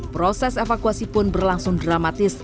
proses evakuasi pun berlangsung dramatis